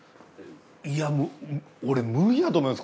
いや俺無理やと思います。